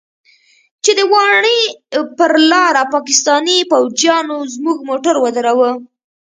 چې د واڼې پر لاره پاکستاني فوجيانو زموږ موټر ودراوه.